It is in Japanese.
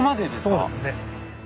ええそうですね。